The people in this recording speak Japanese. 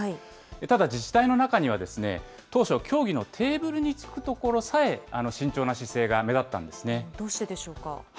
ただ、自治体の中には、当初は協議のテーブルにつくところさえ慎重な姿勢が目立ったんでどうしてでしょうか。